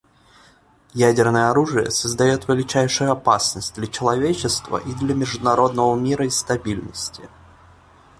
Ядерное оружие создает величайшую опасность для человечества и для международного мира и стабильности.